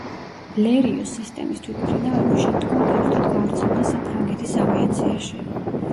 ბლერიოს სისტემის თვითმფრინავები შემდგომ ფართოდ გავრცელდა საფრანგეთის ავიაციაში.